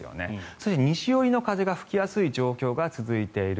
そして、西寄りの風が吹きやすい状況が続いている。